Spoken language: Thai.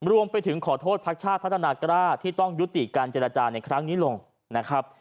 รวมไปถึงขอโทษพักชาติพัฒนากล้าที่ต้องยุติการเจรจาในครั้งนี้ลงนะครับ